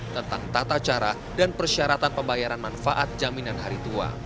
tentang tata cara dan persyaratan pembayaran manfaat jaminan hari tua